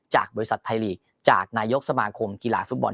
จากบริษัทไทยลีกจากนายกสมาคมกีฬาฟุตบอล